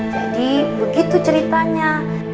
jadi begitu ceritanya